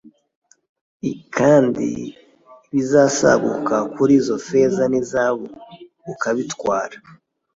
kandi ibizasaguka kuri izo feza n izahabu ukabitwara